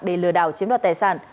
để lừa đảo chiếm đoạt tài sản